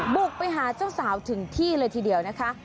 บุกไปหาเจ้าสาวถึงที่เลยทีเดียวนะคะ